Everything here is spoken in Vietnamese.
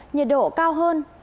nhiệt độ cao hơn